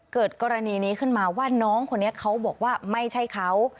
เกิดกรณีนี้ขึ้นมาว่าน้องคนนี้เขาบอกว่าไม่ใช่เขา